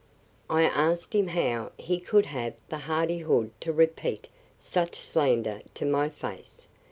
I asked him how he could have the hardihood to repeat such slander to my face.